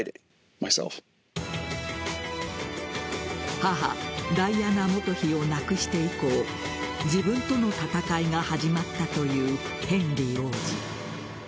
母・ダイアナ元妃を亡くして以降自分との闘いが始まったというヘンリー王子。